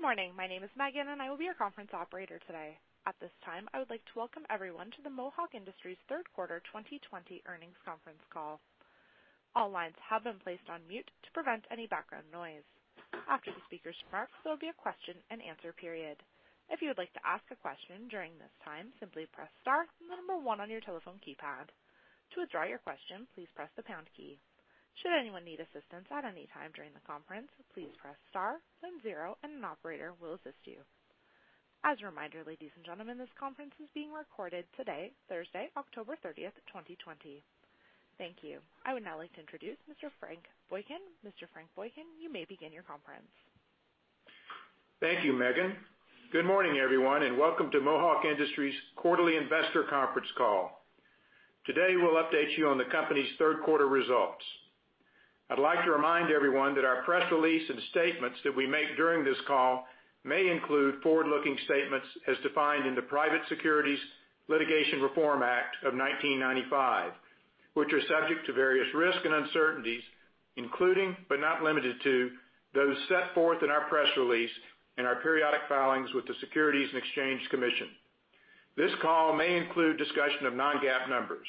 Good morning. My name is Megan, and I will be your conference operator today. At this time, I would like to welcome everyone to the Mohawk Industries third quarter 2020 earnings conference call. All lines have been placed on mute to prevent any background noise. After the speakers' remarks, there will be a question and answer period. If you would like to ask a question during this time, simply press star then the number one on your telephone keypad. To withdraw your question, please press the pound key. Should anyone need assistance at any time during the conference, please press star then zero and an operator will assist you. As a reminder, ladies and gentlemen, this conference is being recorded today, Thursday, October 30th, 2020. Thank you. I would now like to introduce Mr. Frank Boykin. Mr. Frank Boykin, you may begin your conference. Thank you, Megan. Good morning, everyone, and Welcome to Mohawk Industries quarterly investor conference call. Today, we'll update you on the company's third quarter results. I'd like to remind everyone that our press release and statements that we make during this call may include forward-looking statements as defined in the Private Securities Litigation Reform Act of 1995, which are subject to various risks and uncertainties, including, but not limited to, those set forth in our press release and our periodic filings with the Securities and Exchange Commission. This call may include discussion of non-GAAP numbers.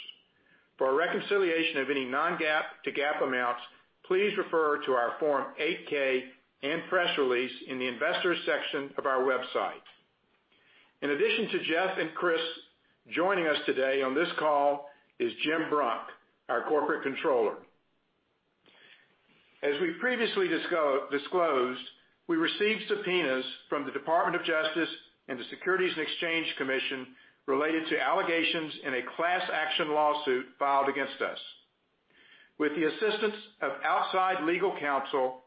For a reconciliation of any non-GAAP to GAAP amounts, please refer to our Form 8-K and press release in the investors section of our website. In addition to Jeff and Chris, joining us today on this call is Jim Brunk, our Corporate Controller. As we previously disclosed, we received subpoenas from the Department of Justice and the Securities and Exchange Commission related to allegations in a class action lawsuit filed against us. With the assistance of outside legal counsel,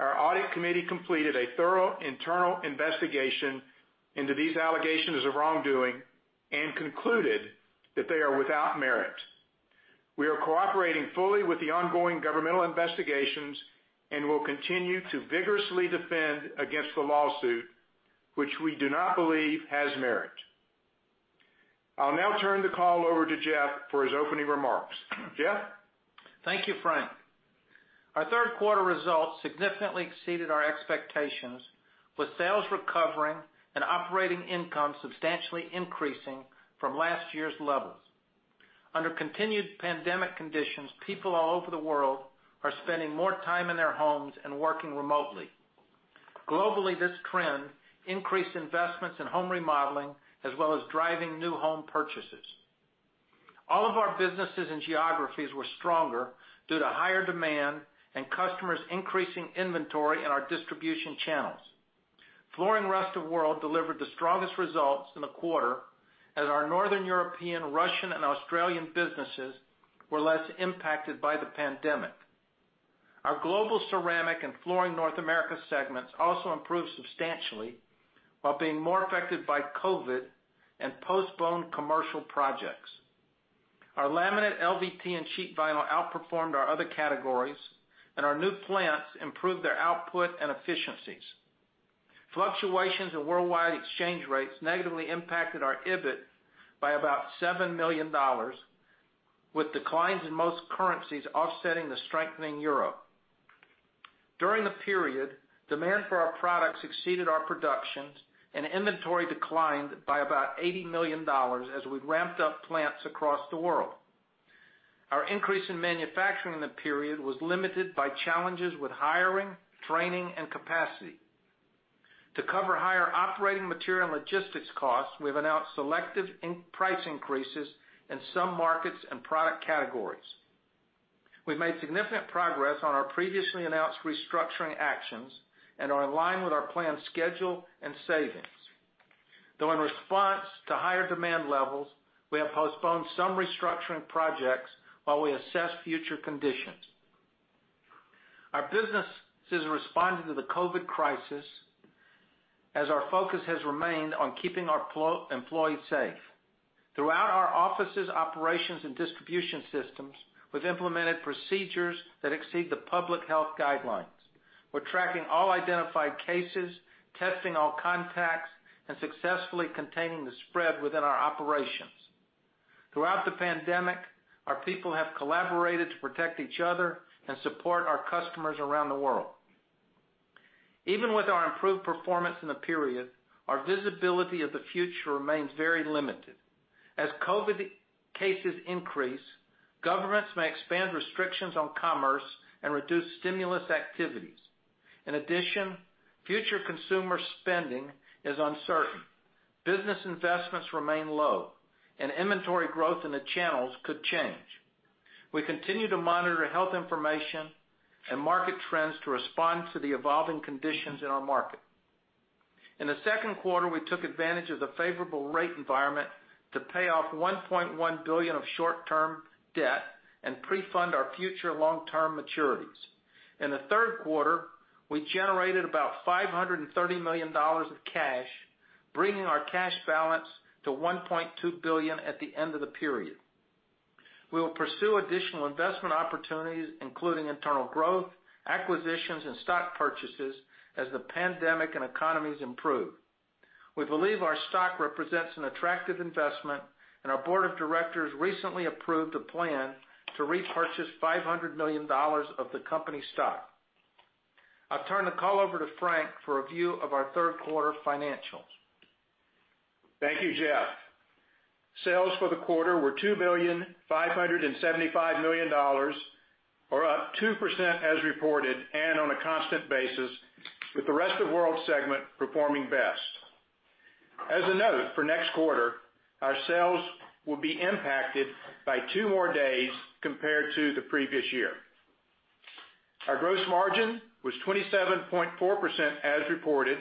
our audit committee completed a thorough internal investigation into these allegations of wrongdoing and concluded that they are without merit. We are cooperating fully with the ongoing governmental investigations and will continue to vigorously defend against the lawsuit, which we do not believe has merit. I'll now turn the call over to Jeff for his opening remarks. Jeff? Thank you, Frank. Our third quarter results significantly exceeded our expectations, with sales recovering and operating income substantially increasing from last year's levels. Under continued pandemic conditions, people all over the world are spending more time in their homes and working remotely. Globally, this trend increased investments in home remodeling, as well as driving new home purchases. All of our businesses and geographies were stronger due to higher demand and customers increasing inventory in our distribution channels. Flooring Rest of the World delivered the strongest results in the quarter as our Northern European, Russian, and Australian businesses were less impacted by the pandemic. Our Global Ceramic and Flooring North America segments also improved substantially while being more affected by COVID and postponed commercial projects. Our laminate LVP and sheet vinyl outperformed our other categories, and our new plants improved their output and efficiencies. Fluctuations in worldwide exchange rates negatively impacted our EBIT by about $7 million, with declines in most currencies offsetting the strengthening euro. During the period, demand for our products exceeded our productions and inventory declined by about $80 million as we ramped up plants across the world. Our increase in manufacturing in the period was limited by challenges with hiring, training, and capacity. To cover higher operating material and logistics costs, we've announced selective price increases in some markets and product categories. We've made significant progress on our previously announced restructuring actions and are in line with our planned schedule and savings. In response to higher demand levels, we have postponed some restructuring projects while we assess future conditions. Our businesses responded to the COVID crisis as our focus has remained on keeping our employees safe. Throughout our offices, operations, and distribution systems, we've implemented procedures that exceed the public health guidelines. We're tracking all identified cases, testing all contacts, and successfully containing the spread within our operations. Throughout the pandemic, our people have collaborated to protect each other and support our customers around the world. Even with our improved performance in the period, our visibility of the future remains very limited. As COVID cases increase, governments may expand restrictions on commerce and reduce stimulus activities. In addition, future consumer spending is uncertain. Business investments remain low, and inventory growth in the channels could change. We continue to monitor health information and market trends to respond to the evolving conditions in our market. In the second quarter, we took advantage of the favorable rate environment to pay off $1.1 billion of short-term debt and pre-fund our future long-term maturities. In the third quarter, we generated about $530 million of cash, bringing our cash balance to $1.2 billion at the end of the period. We will pursue additional investment opportunities, including internal growth, acquisitions, and stock purchases as the pandemic and economies improve. We believe our stock represents an attractive investment, and our board of directors recently approved a plan to repurchase $500 million of the company stock. I'll turn the call over to Frank for a view of our third quarter financials. Thank you, Jeff. Sales for the quarter were $2,575,000,000, or up 2% as reported and on a constant basis, with the Rest of World segment performing best. As a note, for next quarter, our sales will be impacted by two more days compared to the previous year. Our gross margin was 27.4% as reported,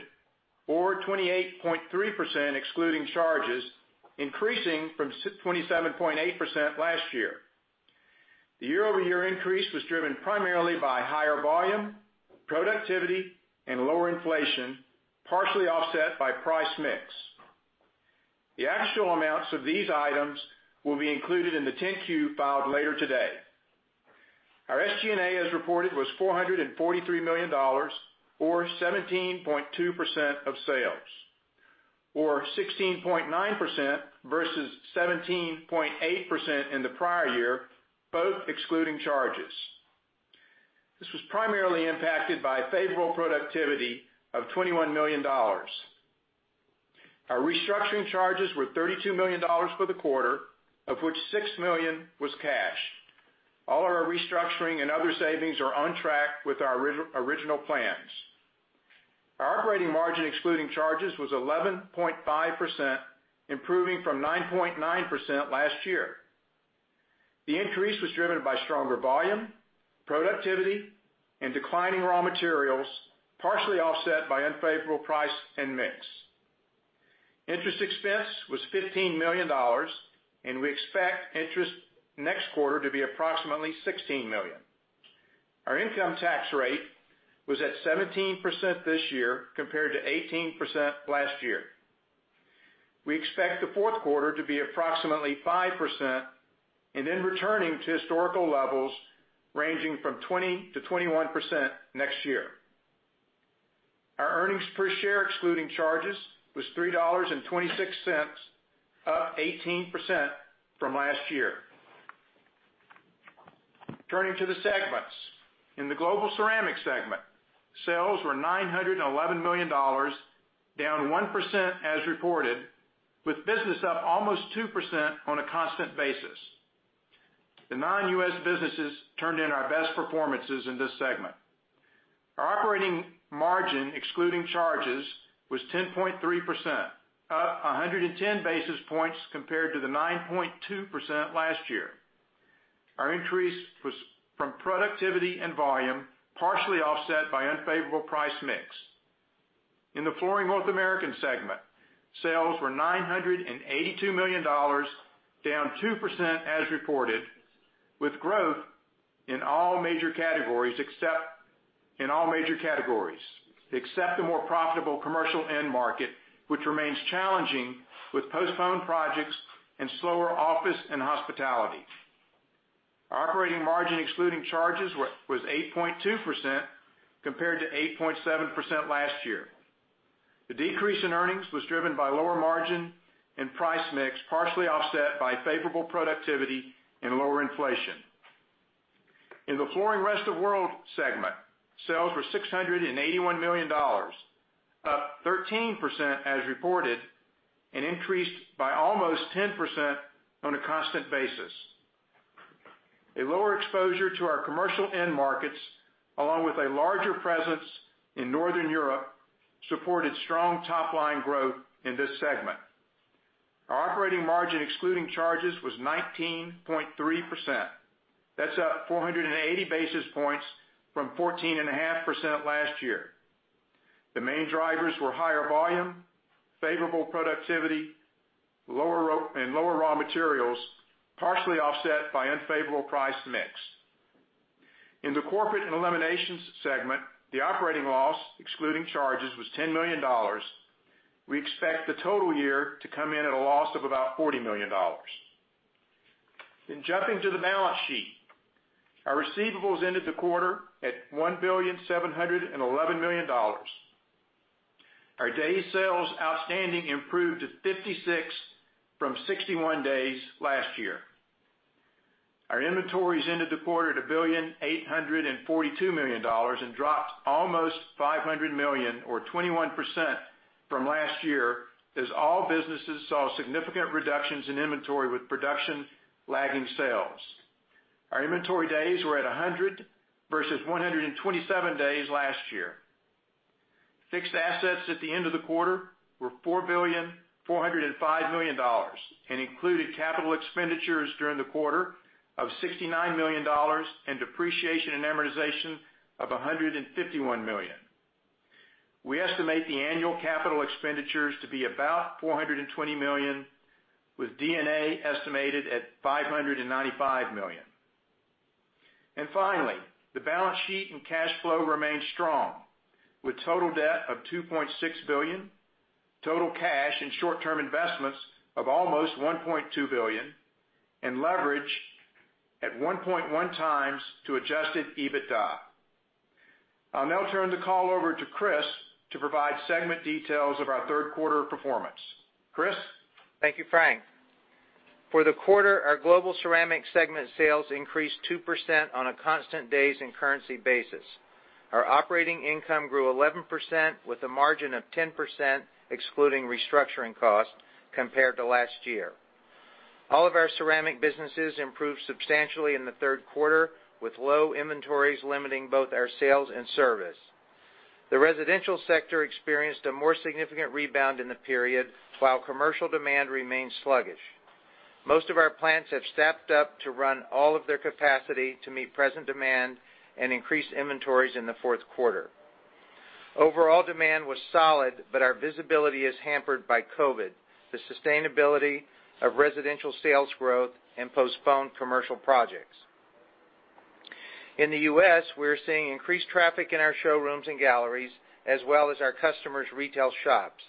or 28.3% excluding charges, increasing from 27.8% last year. The year-over-year increase was driven primarily by higher volume, productivity, and lower inflation, partially offset by price mix. The actual amounts of these items will be included in the 10-Q filed later today. Our SG&A, as reported, was $443 million, or 17.2% of sales, or 16.9% versus 17.8% in the prior year, both excluding charges. This was primarily impacted by favorable productivity of $21 million. Our restructuring charges were $32 million for the quarter, of which $6 million was cash. All of our restructuring and other savings are on track with our original plans. Our operating margin, excluding charges, was 11.5%, improving from 9.9% last year. The increase was driven by stronger volume, productivity, and declining raw materials, partially offset by unfavorable price and mix. Interest expense was $15 million. We expect interest next quarter to be approximately $16 million. Our income tax rate was at 17% this year, compared to 18% last year. We expect the fourth quarter to be approximately 5%, returning to historical levels ranging from 20%-21% next year. Our earnings per share, excluding charges, was $3.26, up 18% from last year. Turning to the segments. In the Global Ceramic segment, sales were $911 million, down 1% as reported, with business up almost 2% on a constant basis. The non-U.S. businesses turned in our best performances in this segment. Our operating margin, excluding charges, was 10.3%, up 110 basis points compared to the 9.2% last year. Our increase was from productivity and volume, partially offset by unfavorable price mix. In the Flooring North America segment, sales were $982 million, down 2% as reported, with growth in all major categories except the more profitable commercial end market, which remains challenging with postponed projects and slower office and hospitality. Our operating margin, excluding charges, was 8.2%, compared to 8.7% last year. The decrease in earnings was driven by lower margin and price mix, partially offset by favorable productivity and lower inflation. In the Flooring Rest of the World segment, sales were $681 million, up 13% as reported, and increased by almost 10% on a constant basis. A lower exposure to our commercial end markets, along with a larger presence in Northern Europe, supported strong top-line growth in this segment. Our operating margin, excluding charges, was 19.3%. That's up 480 basis points from 14.5% last year. The main drivers were higher volume, favorable productivity, and lower raw materials, partially offset by unfavorable price mix. In the Corporate and Eliminations Segment, the operating loss, excluding charges, was $10 million. We expect the total year to come in at a loss of about $40 million. Jumping to the balance sheet. Our receivables ended the quarter at $1,711,000,000. Our days sales outstanding improved to 56 from 61 days last year. Our inventories ended the quarter at $1,842,000,000 and dropped almost $500 million, or 21%, from last year, as all businesses saw significant reductions in inventory with production lagging sales. Our inventory days were at 100 versus 127 days last year. Fixed assets at the end of the quarter were $4,405,000,000, and included capital expenditures during the quarter of $69 million, and depreciation and amortization of $151 million. We estimate the annual capital expenditures to be about $420 million, with D&A estimated at $595 million. Finally, the balance sheet and cash flow remain strong, with total debt of $2.6 billion, total cash and short-term investments of almost $1.2 billion, and leverage at 1.1x to adjusted EBITDA. I'll now turn the call over to Chris to provide segment details of our third quarter performance. Chris? Thank you, Frank. For the quarter, our Global Ceramic segment sales increased 2% on a constant days and currency basis. Our operating income grew 11% with a margin of 10%, excluding restructuring costs compared to last year. All of our ceramic businesses improved substantially in the third quarter, with low inventories limiting both our sales and service. The residential sector experienced a more significant rebound in the period, while commercial demand remained sluggish. Most of our plants have stepped up to run all of their capacity to meet present demand and increase inventories in the fourth quarter. Overall demand was solid, but our visibility is hampered by COVID, the sustainability of residential sales growth, and postponed commercial projects. In the U.S., we're seeing increased traffic in our showrooms and galleries, as well as our customers' retail shops.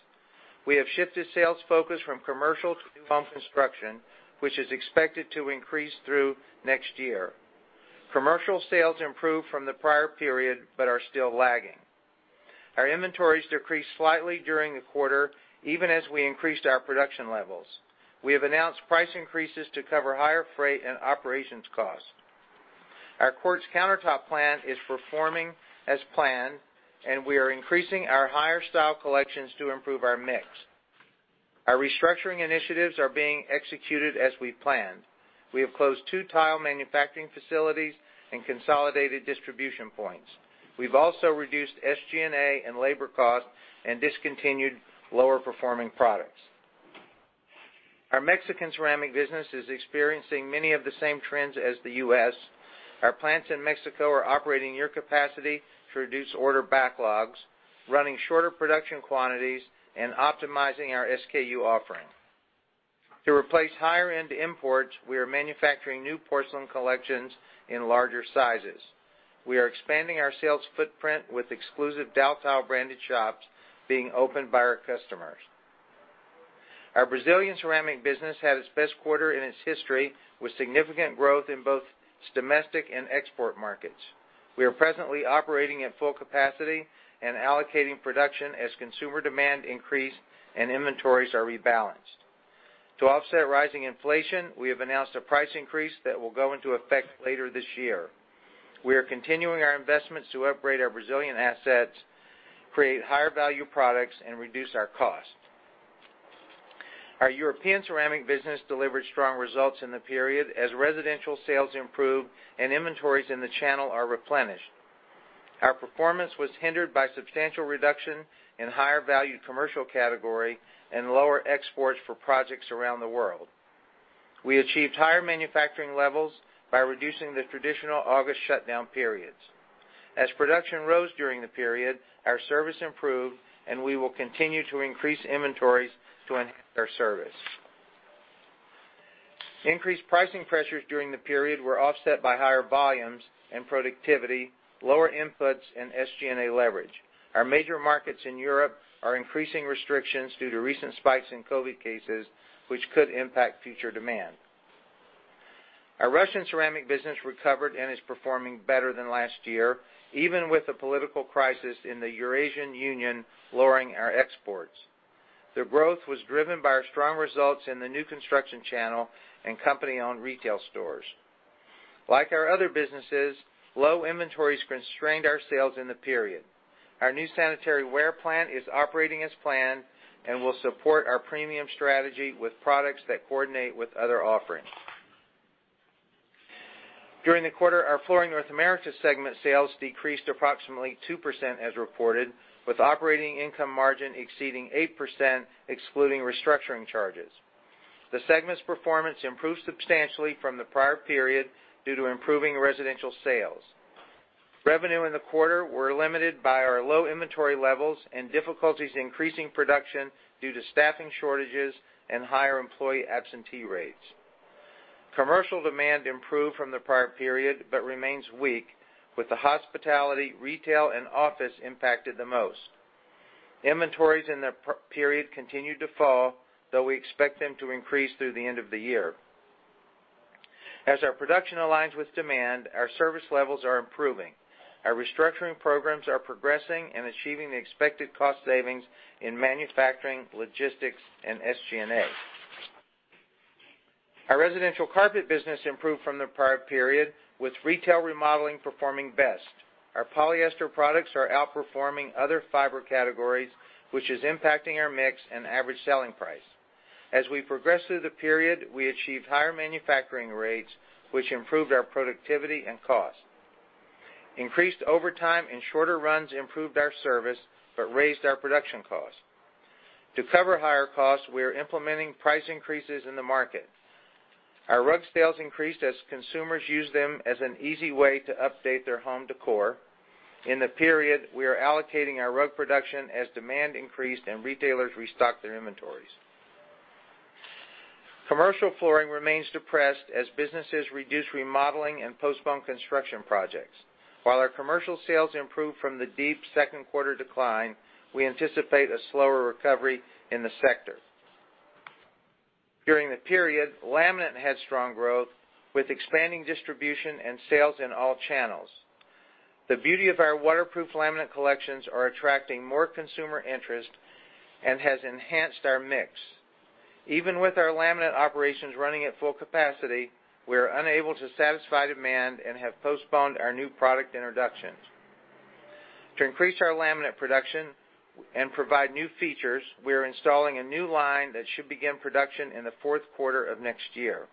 We have shifted sales focus from commercial to new home construction, which is expected to increase through next year. Commercial sales improved from the prior period but are still lagging. Our inventories decreased slightly during the quarter, even as we increased our production levels. We have announced price increases to cover higher freight and operations costs. Our quartz countertop plant is performing as planned, and we are increasing our higher style collections to improve our mix. Our restructuring initiatives are being executed as we planned. We have closed two tile manufacturing facilities and consolidated distribution points. We've also reduced SG&A and labor costs and discontinued lower-performing products. Our Mexican ceramic business is experiencing many of the same trends as the U.S. Our plants in Mexico are operating near capacity to reduce order backlogs, running shorter production quantities, and optimizing our SKU offering. To replace higher-end imports, we are manufacturing new porcelain collections in larger sizes. We are expanding our sales footprint with exclusive Daltile branded shops being opened by our customers. Our Brazilian ceramic business had its best quarter in its history, with significant growth in both its domestic and export markets. We are presently operating at full capacity and allocating production as consumer demand increase and inventories are rebalanced. To offset rising inflation, we have announced a price increase that will go into effect later this year. We are continuing our investments to upgrade our Brazilian assets, create higher-value products, and reduce our costs. Our European ceramic business delivered strong results in the period as residential sales improved and inventories in the channel are replenished. Our performance was hindered by substantial reduction in higher-value commercial category and lower exports for projects around the world. We achieved higher manufacturing levels by reducing the traditional August shutdown periods. As production rose during the period, our service improved, and we will continue to increase inventories to enhance our service. Increased pricing pressures during the period were offset by higher volumes and productivity, lower inputs, and SG&A leverage. Our major markets in Europe are increasing restrictions due to recent spikes in COVID cases, which could impact future demand. Our Russian ceramic business recovered and is performing better than last year, even with the political crisis in the Eurasian Union lowering our exports. The growth was driven by our strong results in the new construction channel and company-owned retail stores. Like our other businesses, low inventories constrained our sales in the period. Our new sanitary ware plant is operating as planned and will support our premium strategy with products that coordinate with other offerings. During the quarter, our Flooring North America segment sales decreased approximately 2% as reported, with operating income margin exceeding 8%, excluding restructuring charges. The segment's performance improved substantially from the prior period due to improving residential sales. Revenue in the quarter were limited by our low inventory levels and difficulties increasing production due to staffing shortages and higher employee absentee rates. Commercial demand improved from the prior period but remains weak, with the hospitality, retail, and office impacted the most. Inventories in the period continued to fall, though we expect them to increase through the end of the year. As our production aligns with demand, our service levels are improving. Our restructuring programs are progressing and achieving the expected cost savings in manufacturing, logistics, and SG&A. Our residential carpet business improved from the prior period, with retail remodeling performing best. Our polyester products are outperforming other fiber categories, which is impacting our mix and average selling price. As we progress through the period, we achieved higher manufacturing rates, which improved our productivity and cost. Increased overtime and shorter runs improved our service but raised our production cost. To cover higher costs, we are implementing price increases in the market. Our rug sales increased as consumers used them as an easy way to update their home decor. In the period, we are allocating our rug production as demand increased and retailers restocked their inventories. Commercial flooring remains depressed as businesses reduce remodeling and postpone construction projects. While our commercial sales improved from the deep second quarter decline, we anticipate a slower recovery in the sector. During the period, laminate had strong growth with expanding distribution and sales in all channels. The beauty of our waterproof laminate collections are attracting more consumer interest and has enhanced our mix. Even with our laminate operations running at full capacity, we are unable to satisfy demand and have postponed our new product introductions. To increase our laminate production and provide new features, we are installing a new line that should begin production in the fourth quarter of next year.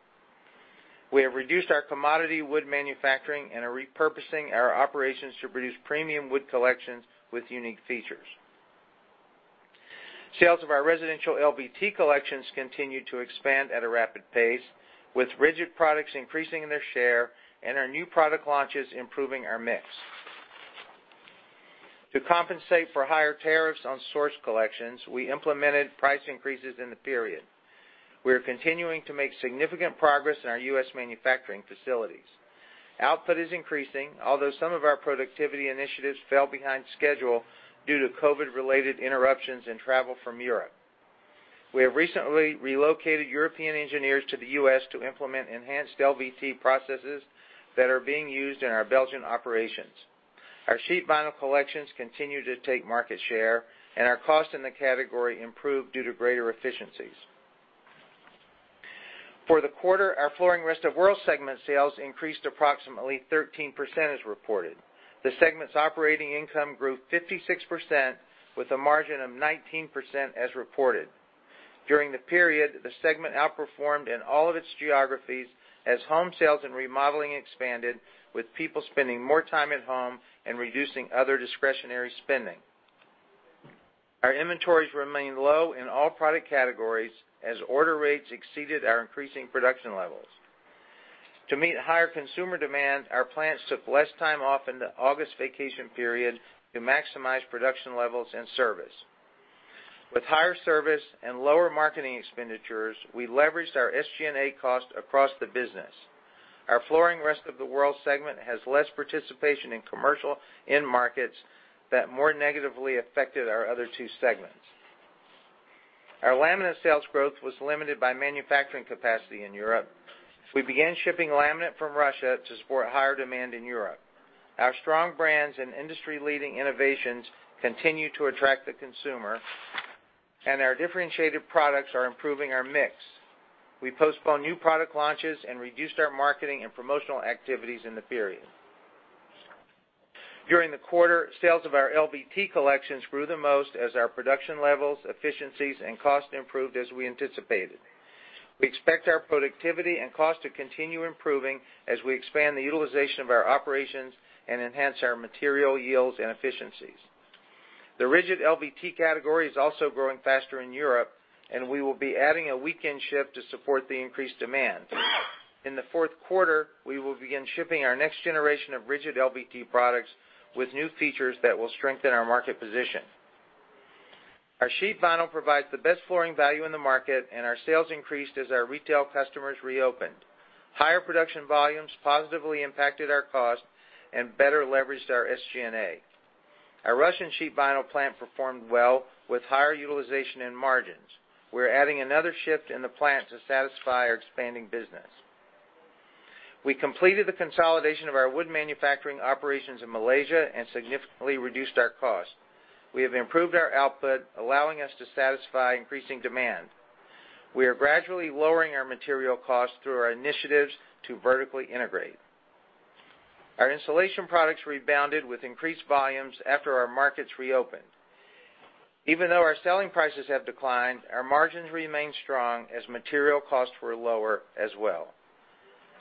We have reduced our commodity wood manufacturing and are repurposing our operations to produce premium wood collections with unique features. Sales of our residential LVT collections continue to expand at a rapid pace, with rigid products increasing their share and our new product launches improving our mix. To compensate for higher tariffs on sourced collections, we implemented price increases in the period. We are continuing to make significant progress in our U.S. manufacturing facilities. Output is increasing, although some of our productivity initiatives fell behind schedule due to COVID-related interruptions in travel from Europe. We have recently relocated European engineers to the U.S. to implement enhanced LVT processes that are being used in our Belgian operations. Our sheet vinyl collections continue to take market share, and our cost in the category improved due to greater efficiencies. For the quarter, our Flooring Rest of World segment sales increased approximately 13% as reported. The segment's operating income grew 56%, with a margin of 19% as reported. During the period, the segment outperformed in all of its geographies as home sales and remodeling expanded with people spending more time at home and reducing other discretionary spending. Our inventories remain low in all product categories as order rates exceeded our increasing production levels. To meet higher consumer demand, our plants took less time off in the August vacation period to maximize production levels and service. With higher service and lower marketing expenditures, we leveraged our SG&A costs across the business. Our Flooring Rest of the World segment has less participation in commercial end markets that more negatively affected our other two segments. Our laminate sales growth was limited by manufacturing capacity in Europe. We began shipping laminate from Russia to support higher demand in Europe. Our strong brands and industry-leading innovations continue to attract the consumer, and our differentiated products are improving our mix. We postponed new product launches and reduced our marketing and promotional activities in the period. During the quarter, sales of our LVT collections grew the most as our production levels, efficiencies, and cost improved as we anticipated. We expect our productivity and cost to continue improving as we expand the utilization of our operations and enhance our material yields and efficiencies. The rigid LVT category is also growing faster in Europe, and we will be adding a weekend shift to support the increased demand. In the fourth quarter, we will begin shipping our next generation of rigid LVT products with new features that will strengthen our market position. Our sheet vinyl provides the best flooring value in the market, and our sales increased as our retail customers reopened. Higher production volumes positively impacted our cost and better leveraged our SG&A. Our Russian sheet vinyl plant performed well with higher utilization and margins. We are adding another shift in the plant to satisfy our expanding business. We completed the consolidation of our wood manufacturing operations in Malaysia and significantly reduced our cost. We have improved our output, allowing us to satisfy increasing demand. We are gradually lowering our material costs through our initiatives to vertically integrate. Our installation products rebounded with increased volumes after our markets reopened. Even though our selling prices have declined, our margins remain strong as material costs were lower as well.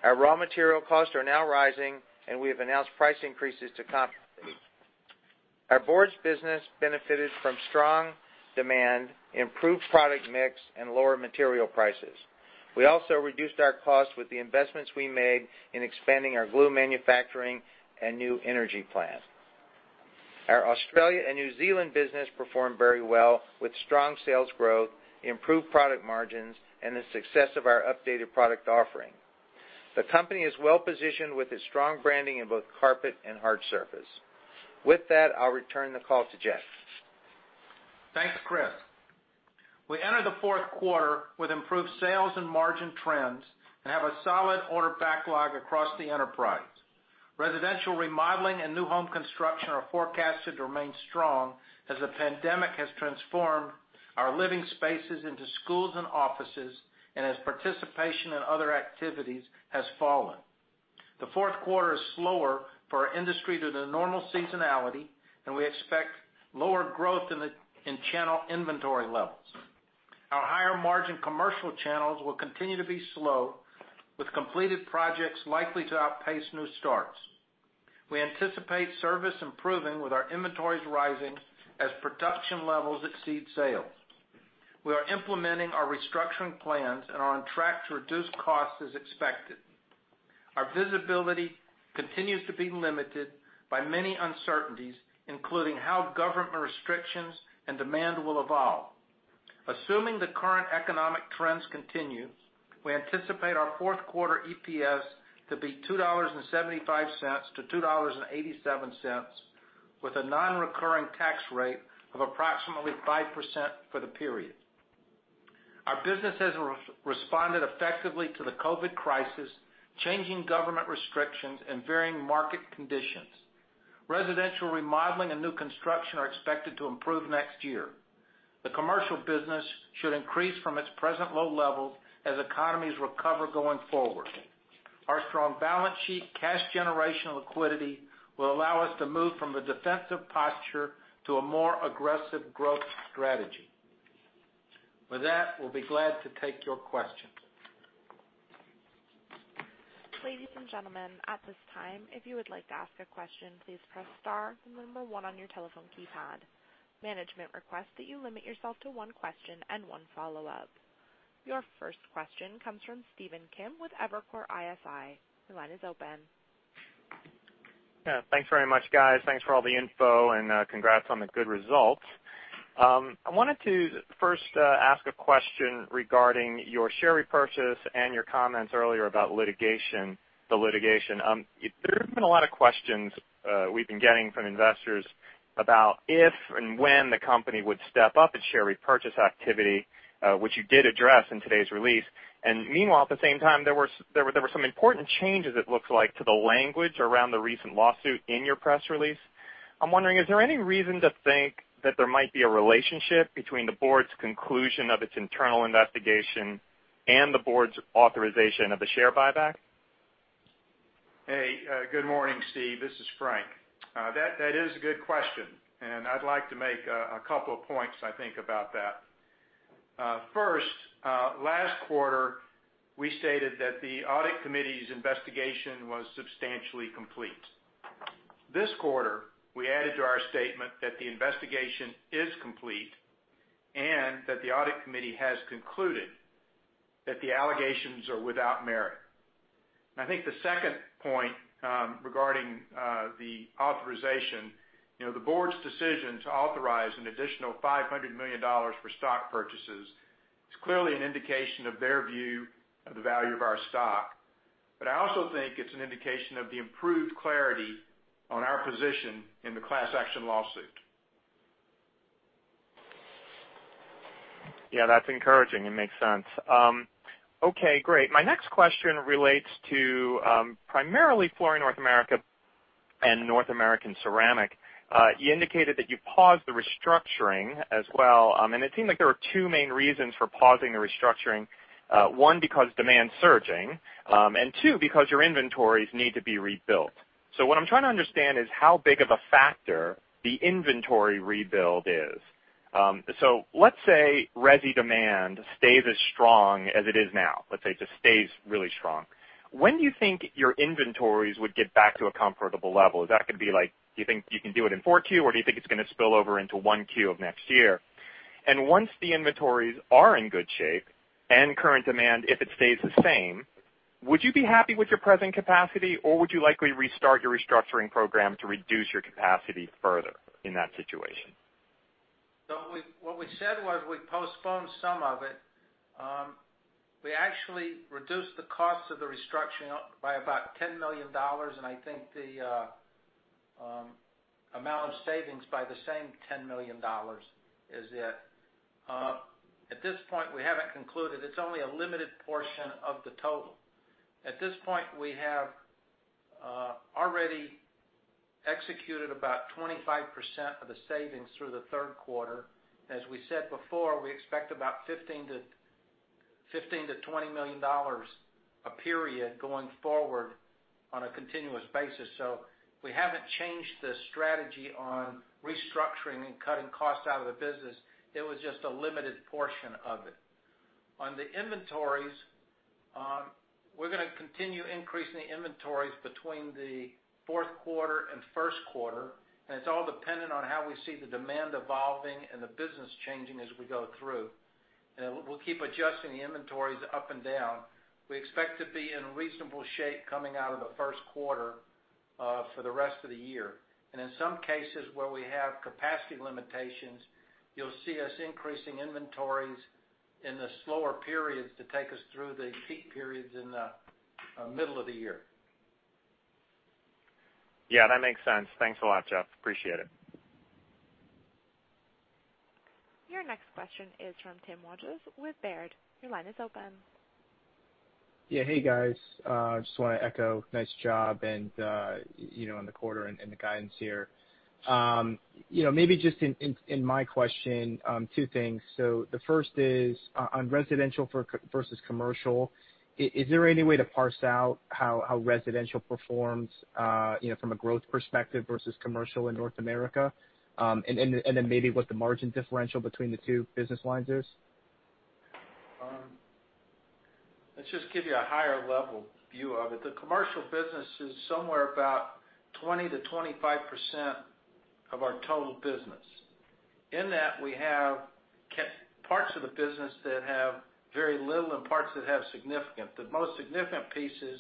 Our raw material costs are now rising, and we have announced price increases to compensate. Our boards business benefited from strong demand, improved product mix, and lower material prices. We also reduced our cost with the investments we made in expanding our glue manufacturing and new energy plant. Our Australia and New Zealand business performed very well with strong sales growth, improved product margins, and the success of our updated product offering. The company is well-positioned with its strong branding in both carpet and hard surface. With that, I'll return the call to Jeff. Thanks, Chris. We enter the fourth quarter with improved sales and margin trends and have a solid order backlog across the enterprise. Residential remodeling and new home construction are forecasted to remain strong as the pandemic has transformed our living spaces into schools and offices and as participation in other activities has fallen. The fourth quarter is slower for our industry due to the normal seasonality, and we expect lower growth in channel inventory levels. Our higher-margin commercial channels will continue to be slow, with completed projects likely to outpace new starts. We anticipate service improving with our inventories rising as production levels exceed sales. We are implementing our restructuring plans and are on track to reduce costs as expected. Our visibility continues to be limited by many uncertainties, including how government restrictions and demand will evolve. Assuming the current economic trends continue we anticipate our fourth quarter EPS to be $2.75-$2.87, with a non-recurring tax rate of approximately 5% for the period. Our business has responded effectively to the COVID crisis, changing government restrictions and varying market conditions. Residential remodeling and new construction are expected to improve next year. The commercial business should increase from its present low level as economies recover going forward. Our strong balance sheet cash generation liquidity will allow us to move from a defensive posture to a more aggressive growth strategy. With that, we'll be glad to take your questions. Ladies and gentlemen, at this time, if you would like to ask a question, please press star, then the number one your telephone keypad. Management requests that you limit yourself to one question and one follow-up. Your first question comes from Stephen Kim with Evercore ISI. Your line is open. Yeah. Thanks very much, guys. Thanks for all the info, and congrats on the good results. I wanted to first ask a question regarding your share repurchase and your comments earlier about the litigation. There's been a lot of questions we've been getting from investors about if and when the company would step up its share repurchase activity, which you did address in today's release. Meanwhile, at the same time, there were some important changes, it looks like, to the language around the recent lawsuit in your press release. I'm wondering, is there any reason to think that there might be a relationship between the board's conclusion of its internal investigation and the board's authorization of the share buyback? Hey, good morning, Stephen. This is Frank. That is a good question, and I'd like to make a couple of points, I think about that. First, last quarter, we stated that the audit committee's investigation was substantially complete. This quarter, we added to our statement that the investigation is complete and that the audit committee has concluded that the allegations are without merit. I think the second point regarding the authorization. The board's decision to authorize an additional $500 million for stock purchases is clearly an indication of their view of the value of our stock. I also think it's an indication of the improved clarity on our position in the class action lawsuit. Yeah, that's encouraging and makes sense. Okay, great. My next question relates to primarily Flooring North America and North American ceramic. You indicated that you paused the restructuring as well, and it seemed like there were two main reasons for pausing the restructuring. One, because demand's surging, and two, because your inventories need to be rebuilt. What I'm trying to understand is how big of a factor the inventory rebuild is. Let's say resi demand stays as strong as it is now. Let's say just stays really strong. When do you think your inventories would get back to a comfortable level? Do you think you can do it in Q4 or do you think it's going to spill over into Q1 of next year? Once the inventories are in good shape and current demand, if it stays the same, would you be happy with your present capacity, or would you likely restart your restructuring program to reduce your capacity further in that situation? What we said was we postponed some of it. We actually reduced the cost of the restructuring by about $10 million, and I think the amount of savings by the same $10 million is it. At this point, we haven't concluded. It's only a limited portion of the total. At this point, we have already executed about 25% of the savings through the third quarter. As we said before, we expect about $15 million-$20 million a period going forward on a continuous basis. We haven't changed the strategy on restructuring and cutting costs out of the business. It was just a limited portion of it. On the inventories, we're going to continue increasing the inventories between the fourth quarter and first quarter, and it's all dependent on how we see the demand evolving and the business changing as we go through. We'll keep adjusting the inventories up and down. We expect to be in reasonable shape coming out of the first quarter for the rest of the year. In some cases, where we have capacity limitations, you'll see us increasing inventories in the slower periods to take us through the peak periods in the middle of the year. Yeah, that makes sense. Thanks a lot, Jeff. Appreciate it. Your next question is from Tim Rogers with Baird. Your line is open. Yeah. Hey, guys. Just want to echo nice job and on the quarter and the guidance here. Maybe just in my question, two things. The first is on residential versus commercial. Is there any way to parse out how residential performs from a growth perspective versus commercial in North America? Maybe what the margin differential between the two business lines is? Let's just give you a higher level view of it. The commercial business is somewhere about 20%-25% of our total business. In that, we have kept parts of the business that have very little and parts that have significant. The most significant pieces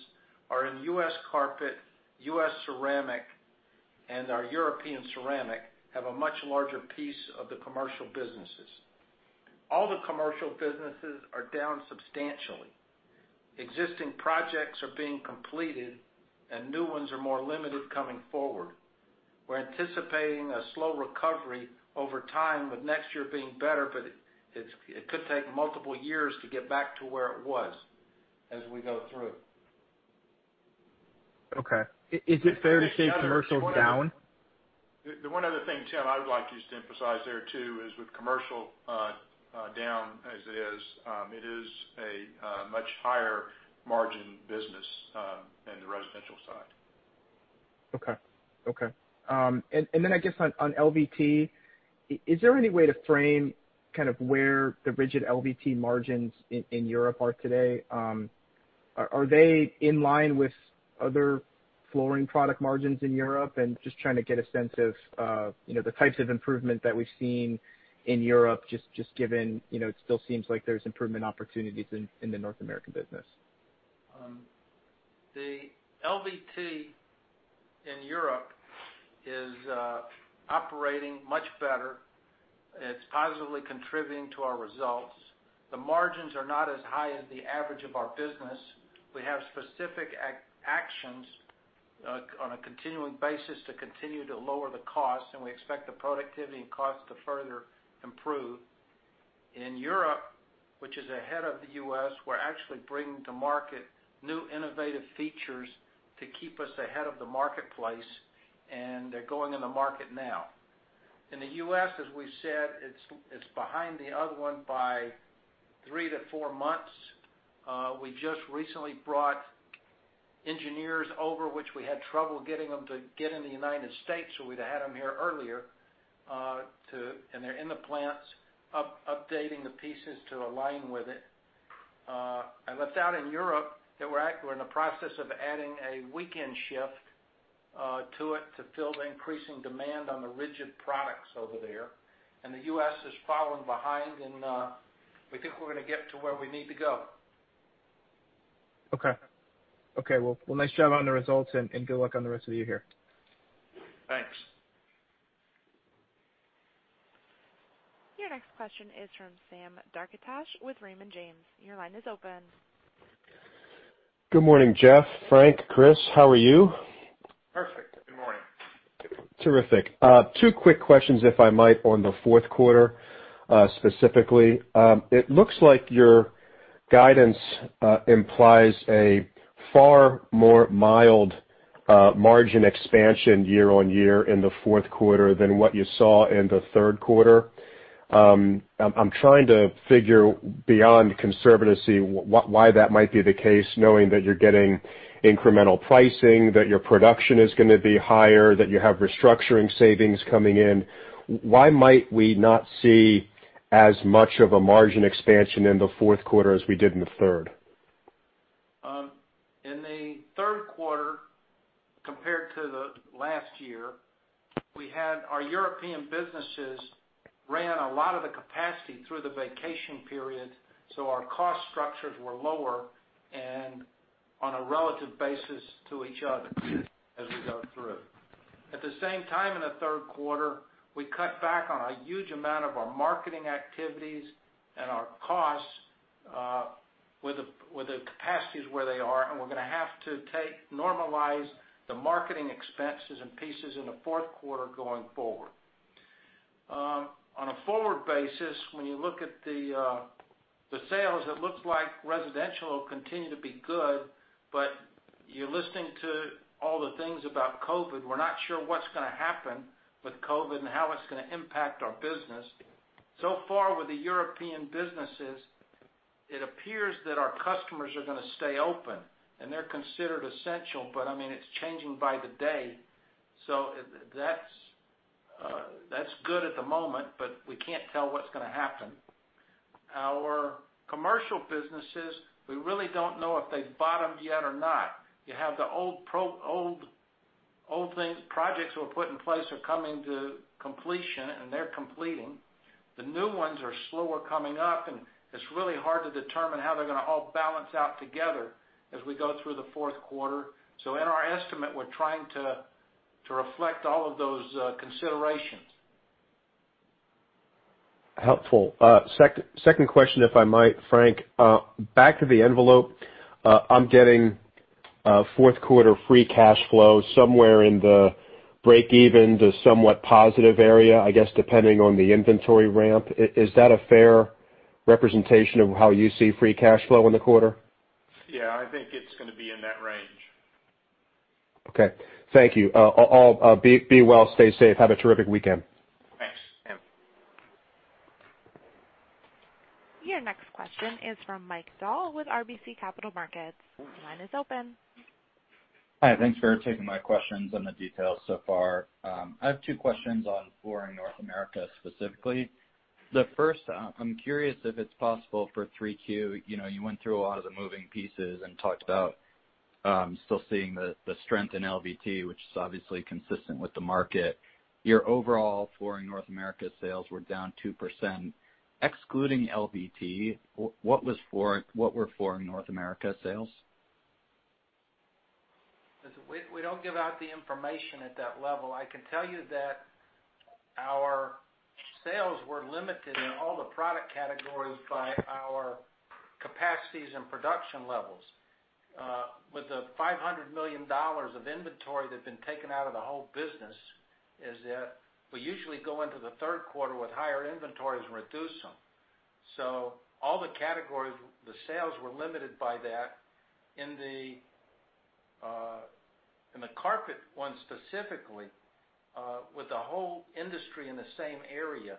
are in U.S. carpet, U.S. ceramic. Our European ceramic have a much larger piece of the commercial businesses. All the commercial businesses are down substantially. Existing projects are being completed and new ones are more limited coming forward. We're anticipating a slow recovery over time, with next year being better, but it could take multiple years to get back to where it was as we go through. Okay. Is it fair to say commercial's down? The one other thing, Tim, I would like us to emphasize there, too, is with commercial down as it is, it is a much higher margin business than the residential side. Okay. Then I guess on LVT, is there any way to frame where the rigid LVT margins in Europe are today? Are they in line with other flooring product margins in Europe? Just trying to get a sense of the types of improvement that we've seen in Europe, just given it still seems like there's improvement opportunities in the North American business. The LVT in Europe is operating much better. It's positively contributing to our results. The margins are not as high as the average of our business. We have specific actions on a continuing basis to continue to lower the cost, and we expect the productivity and cost to further improve. In Europe, which is ahead of the U.S., we're actually bringing to market new innovative features to keep us ahead of the marketplace, and they're going in the market now. In the U.S., as we've said, it's behind the other one by three to four months. We just recently brought engineers over, which we had trouble getting them to get in the United States, or we'd have had them here earlier. They're in the plants up-updating the pieces to align with it. I left out in Europe, that we're in the process of adding a weekend shift to it to fill the increasing demand on the rigid products over there. The U.S. is following behind, and we think we're going to get to where we need to go. Okay. Well, nice job on the results, and good luck on the rest of the year here. Thanks. Your next question is from Sam Darkatsh with Raymond James. Your line is open. Good morning, Jeff, Frank, Chris. How are you? Perfect. Good morning. Terrific. Two quick questions, if I might, on the fourth quarter, specifically. It looks like your guidance implies a far more mild margin expansion year-on-year in the fourth quarter than what you saw in the third quarter. I'm trying to figure beyond conservatism, why that might be the case, knowing that you're getting incremental pricing, that your production is going to be higher, that you have restructuring savings coming in. Why might we not see as much of a margin expansion in the fourth quarter as we did in the third? In the third quarter, compared to the last year, we had our European businesses ran a lot of the capacity through the vacation period. Our cost structures were lower and on a relative basis to each other as we go through. At the same time, in the third quarter, we cut back on a huge amount of our marketing activities and our costs, with the capacities where they are. We're going to have to normalize the marketing expenses and pieces in the fourth quarter going forward. On a forward basis, when you look at the sales, it looks like residential will continue to be good. You're listening to all the things about COVID. We're not sure what's going to happen with COVID and how it's going to impact our business. Far with the European businesses, it appears that our customers are going to stay open, and they're considered essential, but it's changing by the day. That's good at the moment, but we can't tell what's going to happen. Our commercial businesses, we really don't know if they've bottomed yet or not. You have the old projects that were put in place are coming to completion, and they're completing. The new ones are slower coming up, and it's really hard to determine how they're going to all balance out together as we go through the fourth quarter. In our estimate, we're trying to reflect all of those considerations. Helpful. Second question, if I might, Frank. Back to the envelope. I'm getting fourth quarter free cash flow somewhere in the break-even to somewhat positive area, I guess depending on the inventory ramp. Is that a fair representation of how you see free cash flow in the quarter? Yeah, I think it's going to be in that range. Okay. Thank you. I'll be well, stay safe, have a terrific weekend. Thanks. Yeah. Your next question is from Mike Dahl with RBC Capital Markets. Your line is open. Hi, thanks for taking my questions on the details so far. I have two questions on Flooring North America, specifically. The first, I'm curious if it's possible for Q3, you went through a lot of the moving pieces and talked about still seeing the strength in LVT, which is obviously consistent with the market. Your overall Flooring North America sales were down 2%. Excluding LVT, what were Flooring North America sales? We don't give out the information at that level. I can tell you that our sales were limited in all the product categories by our capacities and production levels. With the $500 million of inventory that's been taken out of the whole business, we usually go into the third quarter with higher inventories and reduce them. All the categories, the sales were limited by that. In the carpet one specifically, with the whole industry in the same area,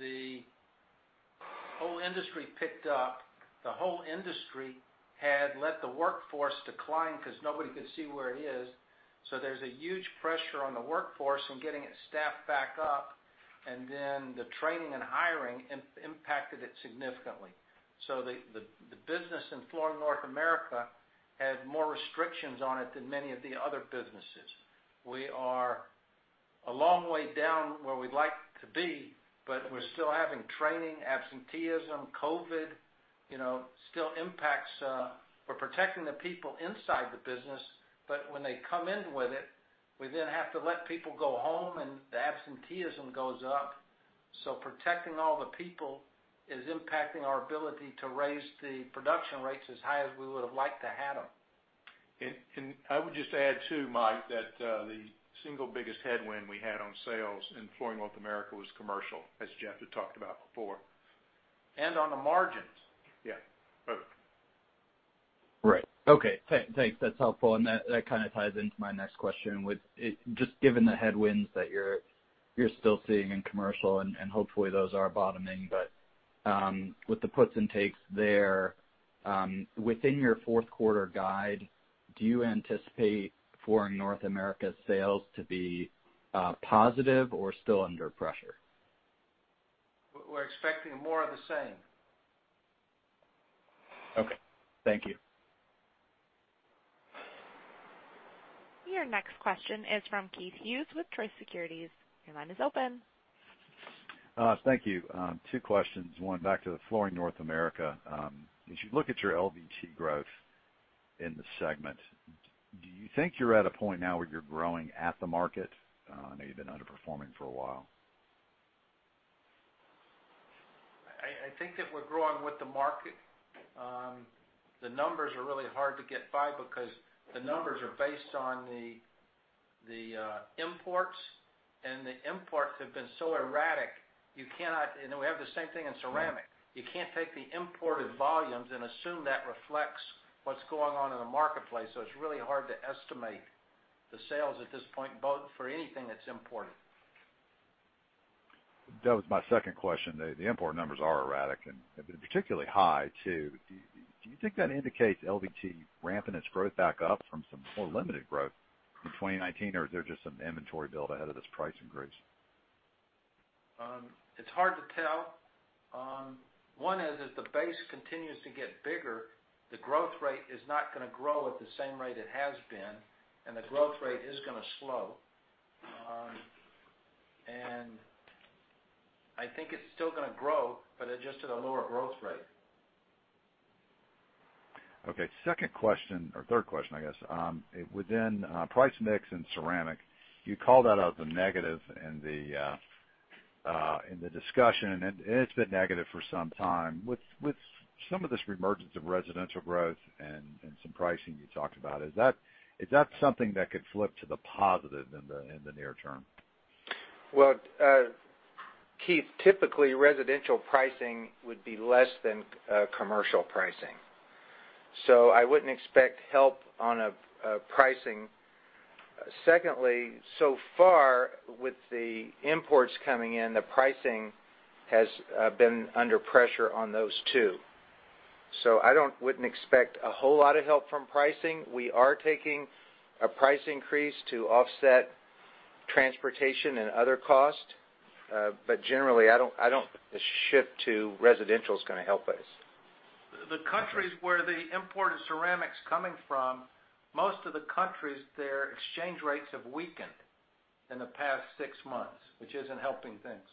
the whole industry picked up. The whole industry had let the workforce decline because nobody could see where it is. There's a huge pressure on the workforce in getting it staffed back up, and then the training and hiring impacted it significantly. The business in Flooring North America had more restrictions on it than many of the other businesses. We are a long way down where we'd like to be, but we're still having training absenteeism. COVID still impacts. We're protecting the people inside the business, but when they come in with it, we then have to let people go home, and the absenteeism goes up. Protecting all the people is impacting our ability to raise the production rates as high as we would've liked to have them. I would just add, too, Mike, that the single biggest headwind we had on sales in Flooring North America was commercial, as Jeff had talked about before. On the margins. Yeah, both. Right. Okay, thanks. That's helpful. That kind of ties into my next question, with just given the headwinds that you're still seeing in commercial, and hopefully those are bottoming, but with the puts and takes there within your fourth quarter guide, do you anticipate Flooring North America sales to be positive or still under pressure? We're expecting more of the same. Okay. Thank you. Your next question is from Keith Hughes with Truist Securities. Your line is open. Thank you. Two questions. One back to the Flooring North America. As you look at your LVT growth in the segment, do you think you're at a point now where you're growing at the market? I know you've been underperforming for a while. I think that we're growing with the market. The numbers are really hard to get by because the numbers are based on the imports, and the imports have been so erratic. We have the same thing in ceramic. You can't take the imported volumes and assume that reflects what's going on in the marketplace. It's really hard to estimate the sales at this point, both for anything that's imported. That was my second question. The import numbers are erratic and have been particularly high, too. Do you think that indicates LVT ramping its growth back up from some more limited growth in 2019? Is there just some inventory build ahead of this price increase? It's hard to tell. One is as the base continues to get bigger, the growth rate is not going to grow at the same rate it has been, and the growth rate is going to slow. I think it's still going to grow, but at just at a lower growth rate. Okay. Second question or third question, I guess. Within price mix in ceramic, you called out the negative in the discussion, and it's been negative for some time. With some of this reemergence of residential growth and some pricing you talked about, is that something that could flip to the positive in the near term? Keith, typically, residential pricing would be less than commercial pricing. I wouldn't expect help on pricing. So far, with the imports coming in, the pricing has been under pressure on those, too. I wouldn't expect a whole lot of help from pricing. We are taking a price increase to offset transportation and other costs. Generally, I don't think the shift to residential is going to help us. The countries where the imported ceramics coming from, most of the countries, their exchange rates have weakened in the past six months, which isn't helping things.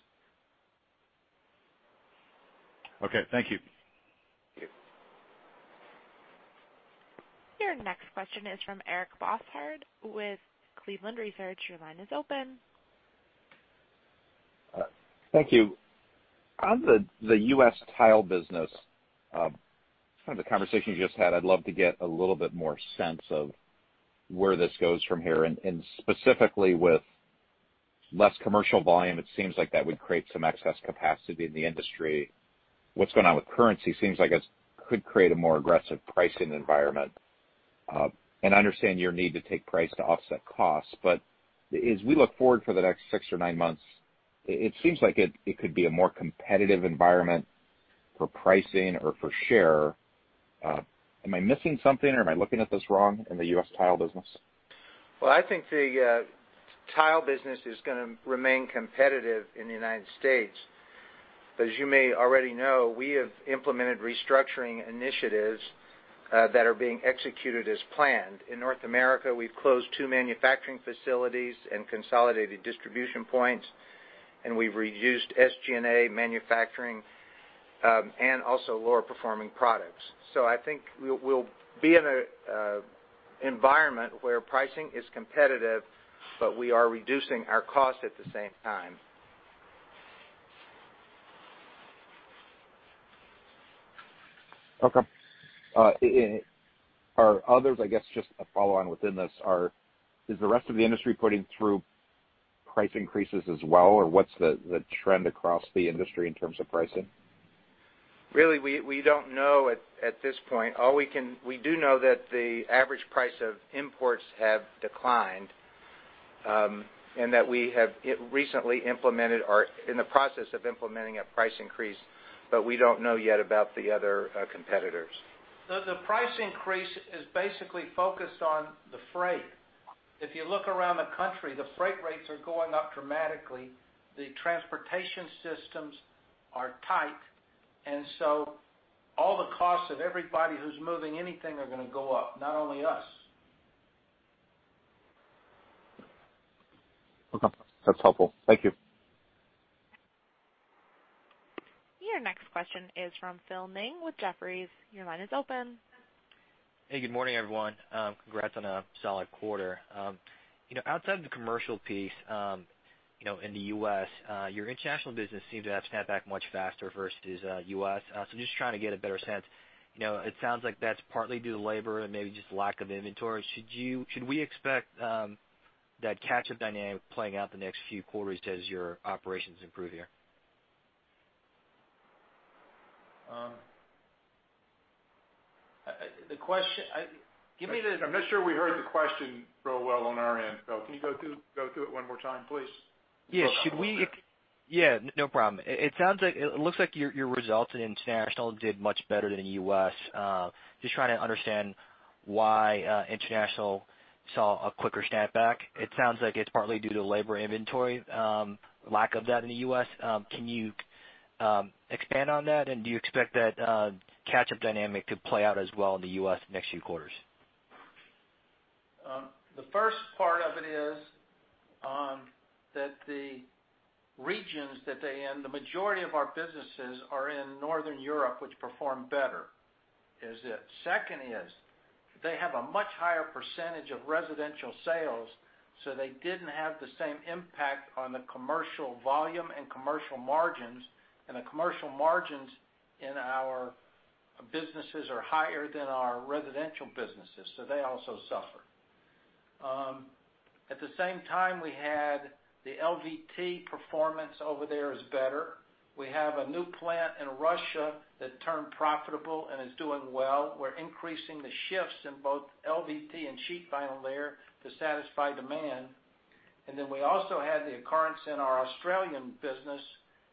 Okay. Thank you. Thank you. Your next question is from Eric Bosshard with Cleveland Research. Your line is open. Thank you. On the U.S. tile business, from the conversation you just had, I'd love to get a little bit more sense of where this goes from here. Specifically with less commercial volume, it seems like that would create some excess capacity in the industry. What's going on with currency seems like it could create a more aggressive pricing environment. I understand your need to take price to offset costs. As we look forward for the next six or nine months, it seems like it could be a more competitive environment for pricing or for share. Am I missing something or am I looking at this wrong in the U.S. tile business? I think the tile business is going to remain competitive in the United States. As you may already know, we have implemented restructuring initiatives that are being executed as planned. In North America, we've closed two manufacturing facilities and consolidated distribution points, and we've reduced SG&A manufacturing, also lower performing products. I think we'll be in an environment where pricing is competitive, but we are reducing our cost at the same time. Okay. Are others, I guess, just a follow on within this is the rest of the industry putting through price increases as well? What's the trend across the industry in terms of pricing? Really, we don't know at this point. All we do know that the average price of imports have declined, and that we have recently implemented or are in the process of implementing a price increase, but we don't know yet about the other competitors. The price increase is basically focused on the freight. If you look around the country, the freight rates are going up dramatically. The transportation systems are tight, and so all the costs of everybody who's moving anything are going to go up, not only us. Okay. That's helpful. Thank you. Your next question is from Phil Ng with Jefferies. Your line is open. Hey, good morning, everyone. Congrats on a solid quarter. Outside of the commercial piece, in the U.S., your international business seemed to have snapped back much faster versus U.S. Just trying to get a better sense. It sounds like that's partly due to labor and maybe just lack of inventory. Should we expect that catch-up dynamic playing out the next few quarters as your operations improve here? The question-- Give me the- I'm not sure we heard the question real well on our end, Phil. Can you go through it one more time, please? Yeah, no problem. It looks like your results in international did much better than U.S. Just trying to understand why international saw a quicker snapback. It sounds like it's partly due to labor inventory, lack of that in the U.S. Can you expand on that? Do you expect that catch-up dynamic to play out as well in the U.S. next few quarters? The first part of it is that the regions that they're in, the majority of our businesses are in Northern Europe, which perform better. Second is, they have a much higher percentage of residential sales. They didn't have the same impact on the commercial volume and commercial margins. The commercial margins in our businesses are higher than our residential businesses. They also suffer. At the same time, we had the LVT performance over there is better. We have a new plant in Russia that turned profitable and is doing well. We're increasing the shifts in both LVT and sheet vinyl there to satisfy demand. We also had the occurrence in our Australian business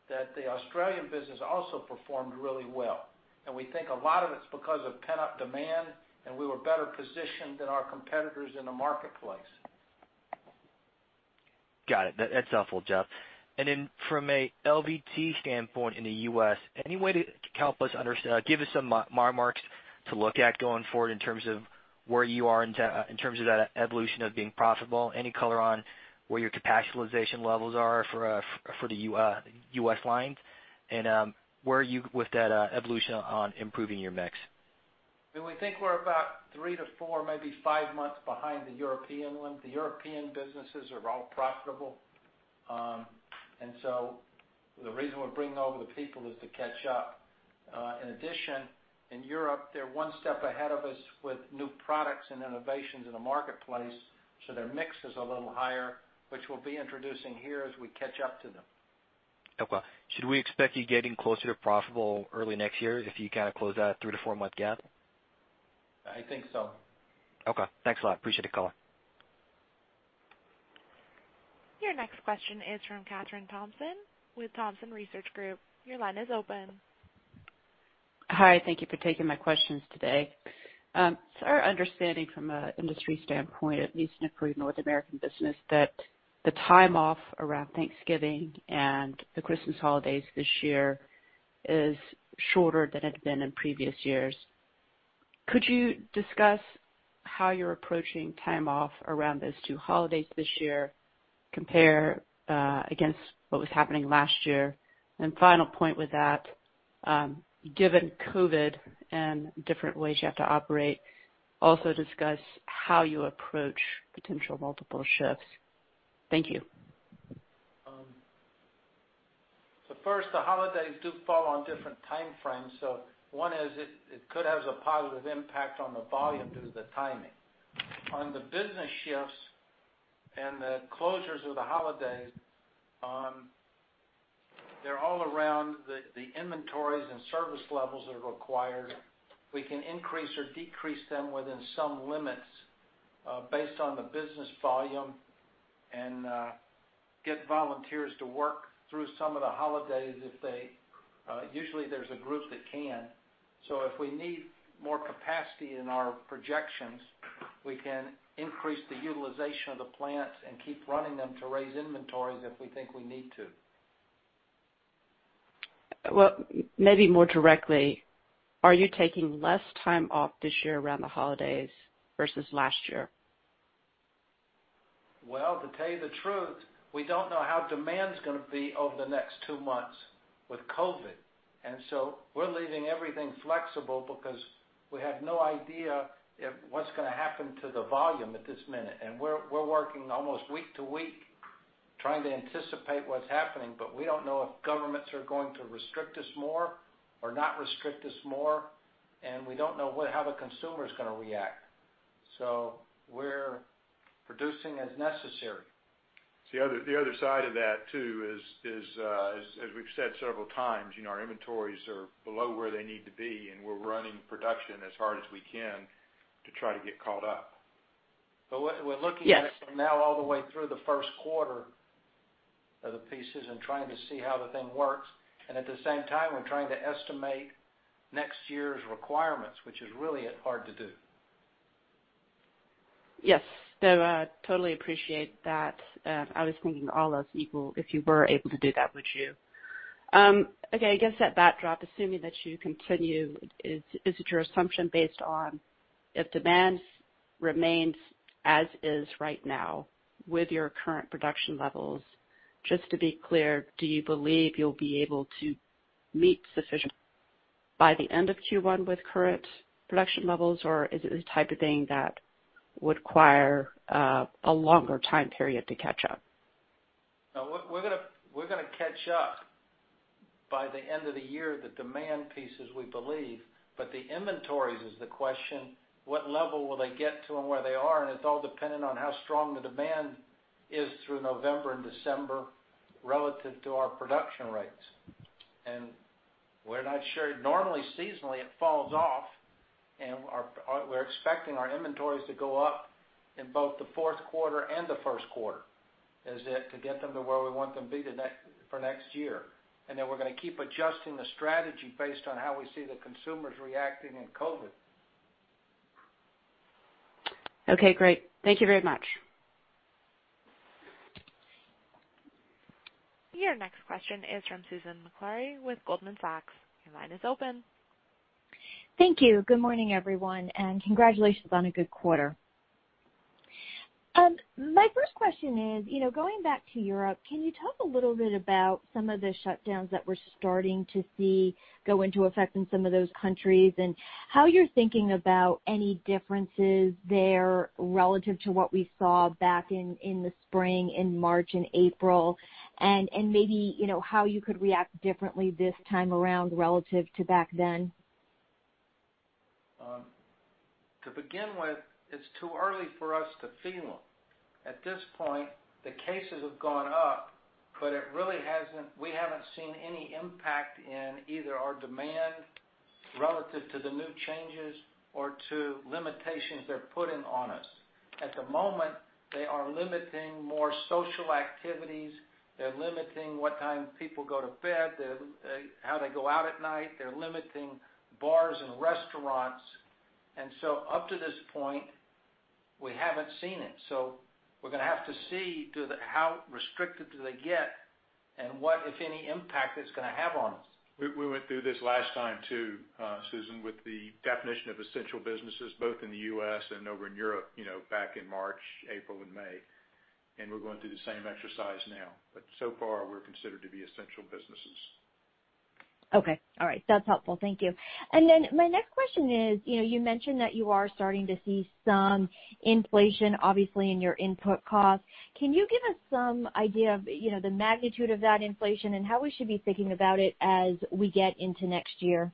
that the Australian business also performed really well. We think a lot of it's because of pent-up demand, and we were better positioned than our competitors in the marketplace. Got it. That's helpful, Jeff. Then from a LVT standpoint in the U.S., any way to help us understand, give us some marks to look at going forward in terms of where you are in terms of that evolution of being profitable? Any color on where your capacity utilization levels are for the U.S. lines? Where are you with that evolution on improving your mix? We think we're about three to four, maybe five months behind the European one. The European businesses are all profitable. The reason we're bringing over the people is to catch up. In addition, in Europe, they're one step ahead of us with new products and innovations in the marketplace, so their mix is a little higher, which we'll be introducing here as we catch up to them. Okay. Should we expect you getting closer to profitable early next year if you kind of close that three to four-month gap? I think so. Okay. Thanks a lot. Appreciate the call. Your next question is from Kathryn Thompson with Thompson Research Group. Hi. Thank you for taking my questions today. It's our understanding from an industry standpoint, at least in the North American business, that the time off around Thanksgiving and the Christmas holidays this year is shorter than it had been in previous years. Could you discuss how you're approaching time off around those two holidays this year, compare against what was happening last year? Final point with that, given COVID and different ways you have to operate, also discuss how you approach potential multiple shifts. Thank you. First, the holidays do fall on different time frames, so one is it could have a positive impact on the volume due to the timing. On the business shifts and the closures of the holidays, they're all around the inventories and service levels that are required. We can increase or decrease them within some limits based on the business volume and get volunteers to work through some of the holidays. Usually there's a group that can. If we need more capacity in our projections, we can increase the utilization of the plants and keep running them to raise inventories if we think we need to. Well, maybe more directly, are you taking less time off this year around the holidays versus last year? Well, to tell you the truth, we don't know how demand's going to be over the next two months with COVID. We're leaving everything flexible because we have no idea what's going to happen to the volume at this minute. We're working almost week to week trying to anticipate what's happening, but we don't know if governments are going to restrict us more or not restrict us more, and we don't know how the consumer's going to react. We're producing as necessary. The other side of that too is, as we've said several times, our inventories are below where they need to be, and we're running production as hard as we can to try to get caught up. We're looking at it from now all the way through the first quarter of the pieces and trying to see how the thing works. At the same time, we're trying to estimate next year's requirements, which is really hard to do. Yes. Totally appreciate that. I was thinking all else equal, if you were able to do that, would you? Okay, I guess that backdrop, assuming that you continue, is your assumption based on if demand remains as is right now with your current production levels? Just to be clear, do you believe you'll be able to meet sufficient by the end of Q1 with current production levels or is it the type of thing that would require a longer time period to catch up? No. We're going to catch up by the end of the year, the demand pieces, we believe, but the inventories is the question. What level will they get to and where they are, and it's all dependent on how strong the demand is through November and December relative to our production rates. We're not sure. Normally, seasonally, it falls off, and we're expecting our inventories to go up in both the fourth quarter and the first quarter to get them to where we want them to be for next year. We're going to keep adjusting the strategy based on how we see the consumers reacting in COVID. Okay, great. Thank Thank you very much. Your next question is from Susan Maklari with Goldman Sachs. Your line is open. Thank you. Good morning, everyone, and congratulations on a good quarter. My first question is, going back to Europe, can you talk a little bit about some of the shutdowns that we're starting to see go into effect in some of those countries? How you're thinking about any differences there relative to what we saw back in the spring, in March and April, and maybe how you could react differently this time around relative to back then? To begin with, it's too early for us to feel. At this point, the cases have gone up, but we haven't seen any impact in either our demand relative to the new changes or to limitations they're putting on us. At the moment, they are limiting more social activities. They're limiting what time people go to bed, how they go out at night. They're limiting bars and restaurants. Up to this point, we haven't seen it. We're going to have to see how restricted do they get and what, if any, impact it's going to have on us. We went through this last time too, Susan, with the definition of essential businesses both in the U.S. and over in Europe back in March, April, and May, and we're going through the same exercise now. So far, we're considered to be essential businesses. Okay. All right. That's helpful. Thank you. My next question is, you mentioned that you are starting to see some inflation, obviously, in your input costs. Can you give us some idea of the magnitude of that inflation and how we should be thinking about it as we get into next year?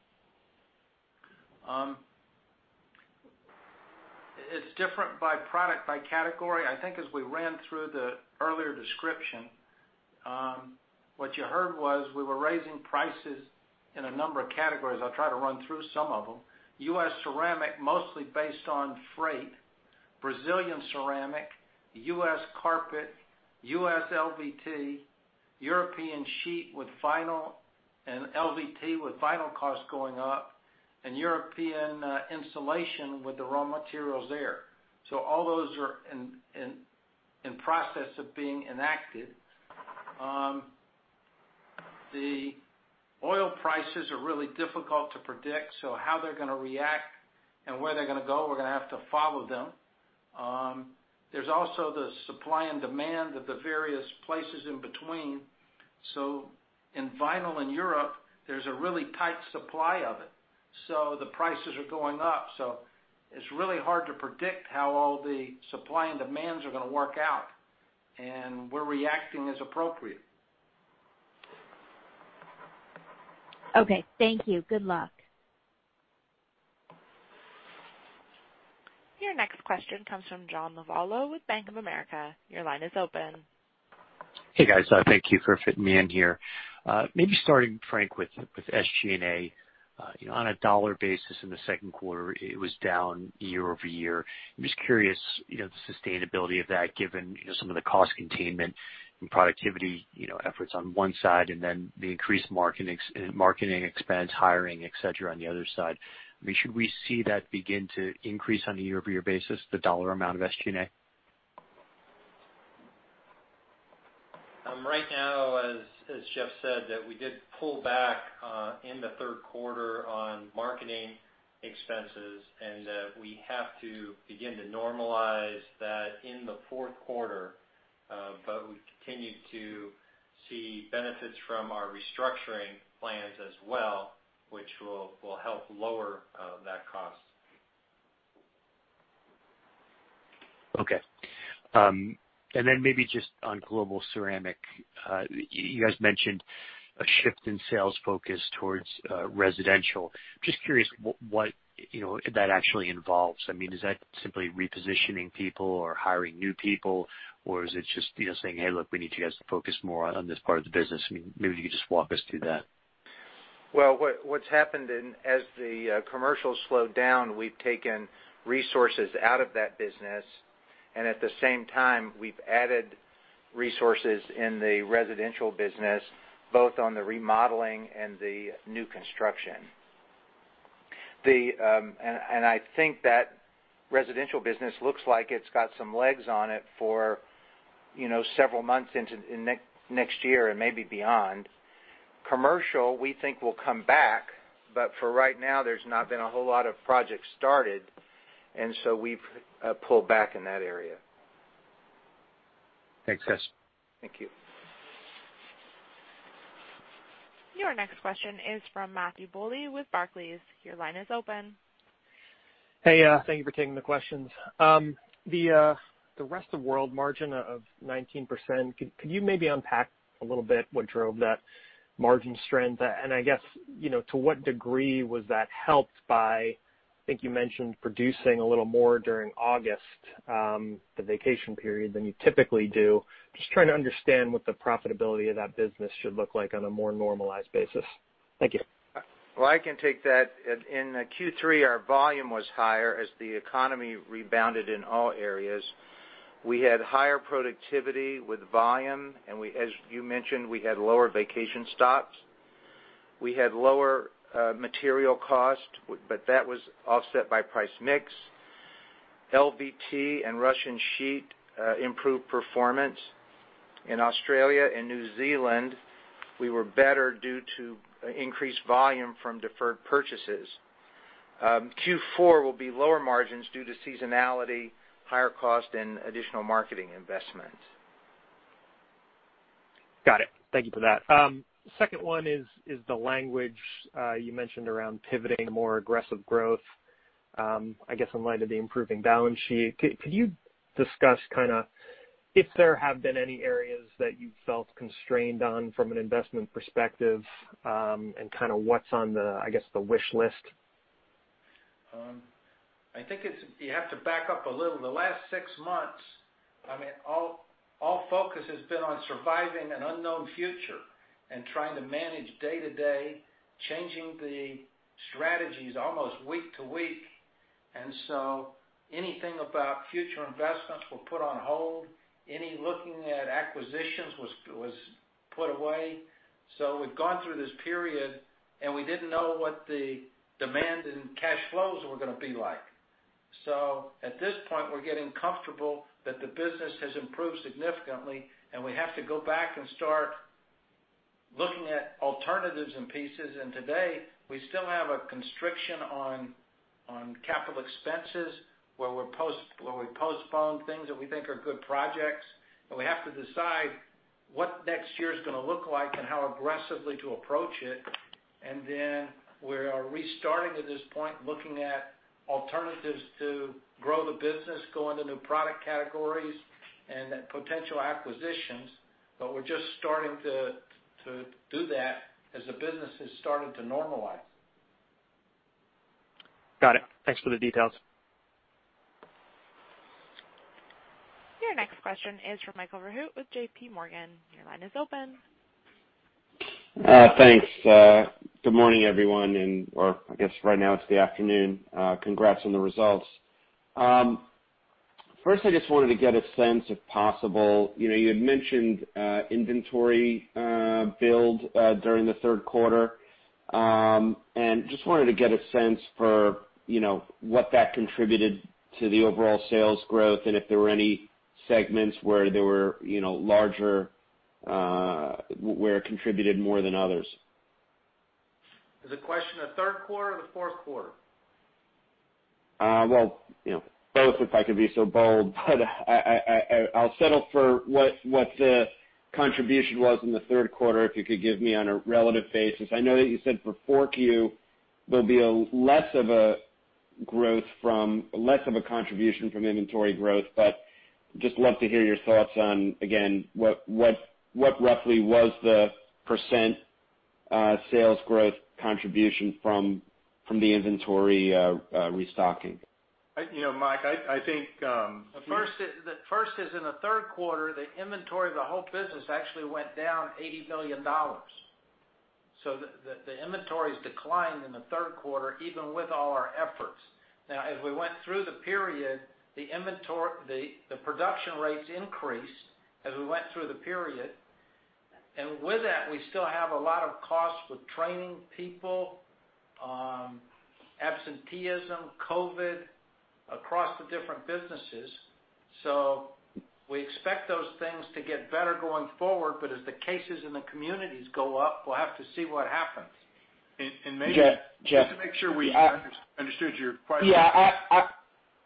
It's different by product, by category. I think as we ran through the earlier description, what you heard was we were raising prices in a number of categories. I'll try to run through some of them. U.S. ceramic, mostly based on freight, Brazilian ceramic, U.S. carpet, U.S. LVT, European sheet with vinyl and LVT with vinyl costs going up, and European insulation with the raw materials there. All those are in process of being enacted. The oil prices are really difficult to predict, how they're going to react and where they're going to go, we're going to have to follow them. There's also the supply and demand of the various places in between. In vinyl in Europe, there's a really tight supply of it. The prices are going up. It's really hard to predict how all the supply and demands are going to work out, and we're reacting as appropriate. Okay. Thank you. Good luck. Your next question comes from John Lovallo with Bank of America. Your line is open. Hey, guys. Thank you for fitting me in here. Maybe starting, Frank, with SG&A. On a dollar basis in the second quarter, it was down year-over-year. I'm just curious, the sustainability of that given some of the cost containment and productivity efforts on one side, and then the increased marketing expense, hiring, et cetera, on the other side. Should we see that begin to increase on a year-over-year basis, the dollar amount of SG&A? Right now, as Jeff said, we did pull back in the third quarter on marketing expenses, and we have to begin to normalize that in the fourth quarter. We've continued to see benefits from our restructuring plans as well, which will help lower that cost. Okay. Maybe just on Global Ceramic. You guys mentioned a shift in sales focus towards residential. Just curious what that actually involves. Is that simply repositioning people or hiring new people, or is it just saying, "Hey, look, we need you guys to focus more on this part of the business." Maybe you could just walk us through that. Well, what's happened as the commercial slowed down, we've taken resources out of that business, and at the same time, we've added resources in the residential business, both on the remodeling and the new construction. I think that residential business looks like it's got some legs on it for several months into next year and maybe beyond. Commercial, we think will come back, but for right now, there's not been a whole lot of projects started, and so we've pulled back in that area. Thanks, guys. Thank you. Your next question is from Matthew Bouley with Barclays. Your line is open. Hey, thank you for taking the questions. The rest of world margin of 19%, could you maybe unpack a little bit what drove that margin strength? To what degree was that helped by, I think you mentioned producing a little more during August, the vacation period, than you typically do. Just trying to understand what the profitability of that business should look like on a more normalized basis. Thank you. Well, I can take that. In Q3, our volume was higher as the economy rebounded in all areas. We had higher productivity with volume, and as you mentioned, we had lower vacation stops. We had lower material cost, but that was offset by price mix. LVT and Russian sheet improved performance. In Australia and New Zealand, we were better due to increased volume from deferred purchases. Q4 will be lower margins due to seasonality, higher cost, and additional marketing investment. Got it. Thank you for that. Second one is the language you mentioned around pivoting to more aggressive growth. I guess in light of the improving balance sheet, could you discuss if there have been any areas that you felt constrained on from an investment perspective, and what's on the wish list? I think you have to back up a little. The last six months, all focus has been on surviving an unknown future and trying to manage day to day, changing the strategies almost week to week. Anything about future investments were put on hold. Any looking at acquisitions was put away. We've gone through this period, and we didn't know what the demand and cash flows were going to be like. At this point, we're getting comfortable that the business has improved significantly, and we have to go back and start looking at alternatives and pieces. Today, we still have a constriction on capital expenses where we postponed things that we think are good projects. We have to decide what next year is going to look like and how aggressively to approach it. We are restarting at this point, looking at alternatives to grow the business, go into new product categories and then potential acquisitions. We're just starting to do that as the business has started to normalize. Got it. Thanks for the details. Your next question is from Michael Rehaut with JPMorgan. Your line is open. Thanks. Good morning, everyone, or I guess right now it's the afternoon. Congrats on the results. First, I just wanted to get a sense, if possible, you had mentioned inventory build during the third quarter. Just wanted to get a sense for what that contributed to the overall sales growth and if there were any segments where it contributed more than others. Is the question the third quarter or the fourth quarter? Well, both, if I could be so bold, but I'll settle for what the contribution was in the third quarter, if you could give me on a relative basis. I know that you said for 4Q, there'll be less of a contribution from inventory growth, but just love to hear your thoughts on, again, what roughly was the percent sales growth contribution from the inventory restocking. Mike The first is in the third quarter, the inventory of the whole business actually went down $80 million. The inventory has declined in the third quarter, even with all our efforts. As we went through the period, the production rates increased as we went through the period. With that, we still have a lot of costs with training people, absenteeism, COVID, across the different businesses. We expect those things to get better going forward, but as the cases in the communities go up, we'll have to see what happens. And maybe-Jeff? Just to make sure we understood your question. Yeah.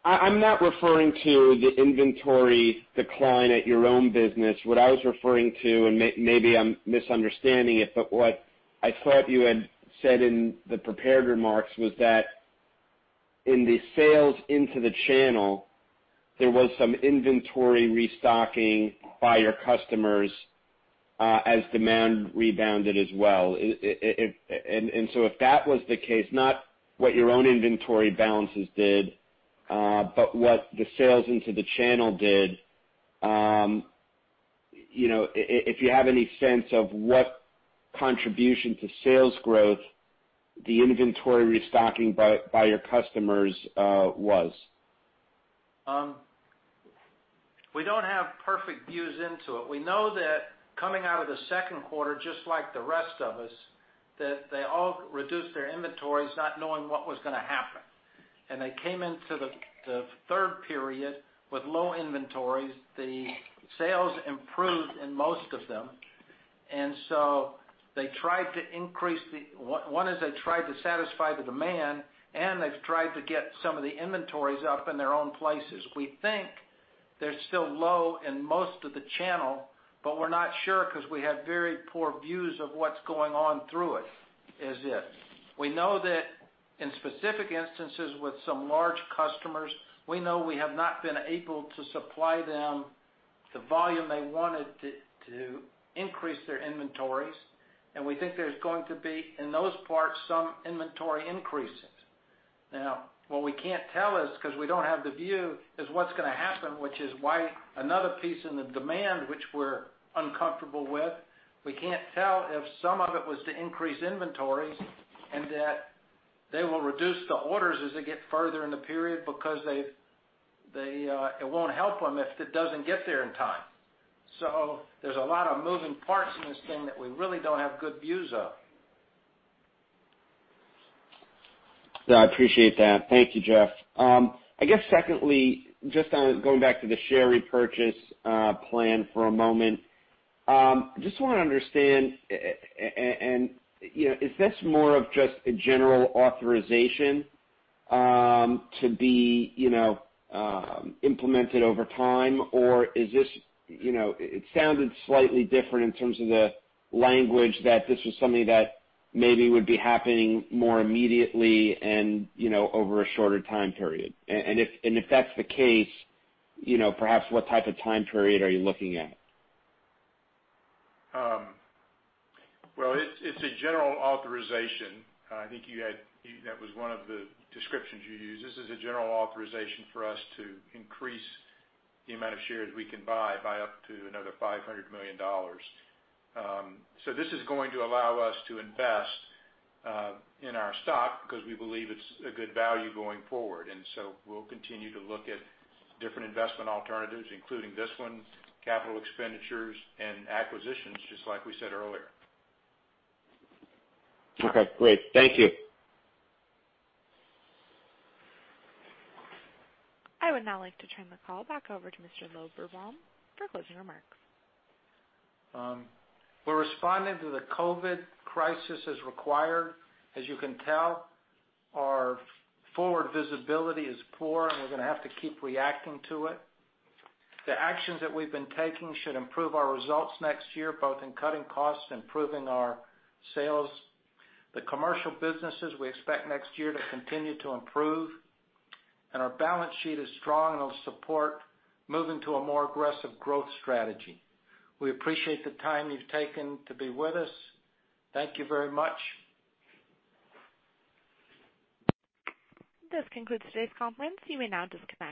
I'm not referring to the inventory decline at your own business. What I was referring to, and maybe I'm misunderstanding it, but what I thought you had said in the prepared remarks was that in the sales into the channel, there was some inventory restocking by your customers as demand rebounded as well. If that was the case, not what your own inventory balances did, but what the sales into the channel did, if you have any sense of what contribution to sales growth the inventory restocking by your customers was? We don't have perfect views into it. We know that coming out of the second quarter, just like the rest of us, that they all reduced their inventories not knowing what was going to happen. They came into the third period with low inventories. The sales improved in most of them. One is they tried to satisfy the demand, and they've tried to get some of the inventories up in their own places. We think they're still low in most of the channel, but we're not sure because we have very poor views of what's going on through it. We know that in specific instances with some large customers, we know we have not been able to supply them the volume they wanted to increase their inventories, and we think there's going to be, in those parts, some inventory increases. What we can't tell is, because we don't have the view, is what's going to happen, which is why another piece in the demand, which we're uncomfortable with, we can't tell if some of it was to increase inventories and that they will reduce the orders as they get further in the period because it won't help them if it doesn't get there in time. There's a lot of moving parts in this thing that we really don't have good views of. No, I appreciate that. Thank you, Jeff. I guess secondly, just on going back to the share repurchase plan for a moment. Just want to understand, is this more of just a general authorization to be implemented over time? It sounded slightly different in terms of the language that this was something that maybe would be happening more immediately and over a shorter time period. If that's the case, perhaps what type of time period are you looking at? Well, it's a general authorization. I think that was one of the descriptions you used. This is a general authorization for us to increase the amount of shares we can buy by up to another $500 million. This is going to allow us to invest in our stock because we believe it's a good value going forward. We'll continue to look at different investment alternatives, including this one, capital expenditures and acquisitions, just like we said earlier. Okay, great. Thank you. I would now like to turn the call back over to Mr. Lorberbaum for closing remarks. We're responding to the COVID crisis as required. As you can tell, our forward visibility is poor. We're going to have to keep reacting to it. The actions that we've been taking should improve our results next year, both in cutting costs and improving our sales. The commercial businesses we expect next year to continue to improve. Our balance sheet is strong and will support moving to a more aggressive growth strategy. We appreciate the time you've taken to be with us. Thank you very much. This concludes today's conference. You may now disconnect.